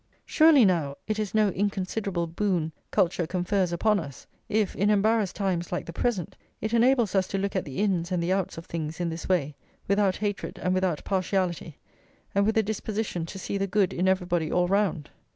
Surely, now, it is no inconsiderable boon culture confers upon us, if in embarrassed times like the present it enables us to look at the ins and the outs of things in this way, without hatred and without partiality, and with a disposition to see the good in everybody all round.